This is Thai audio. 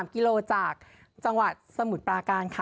กิโลจากจังหวัดสมุทรปราการค่ะ